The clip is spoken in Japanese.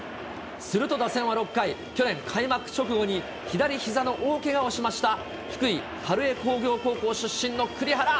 すると打線は６回、去年開幕直後に左ひざの大けがをしました、福井・春江工業高校出身の栗原。